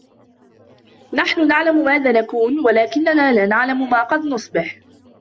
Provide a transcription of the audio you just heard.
نحن نعلم ماذا نكون و لكنّنا لا نعلم ما قد نصبح.